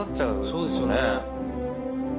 そうですよね。